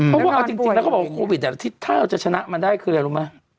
เพราะว่าเอาจริงแล้วเขาบอกว่าโควิดถ้าเราจะชนะมันได้คืออะไรรู้ไหม